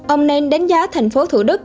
ông nên đánh giá thành phố thủ đức